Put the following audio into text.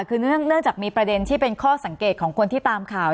คือเนื่องจากมีประเด็นที่เป็นข้อสังเกตของคนที่ตามข่าว